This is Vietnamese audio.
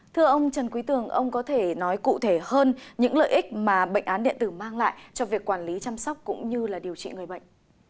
thưa ông trần quý tường ông có thể nói cụ thể hơn những lợi ích mà bệnh án điện tử mang lại cho việc quản lý chăm sóc cũng như điều trị người bệnh